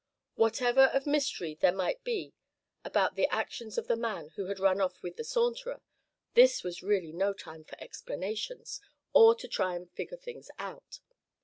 Whatever of mystery there might be about the actions of the man who had run off with the Saunterer, this was really no time for explanations, or to try and figure things out.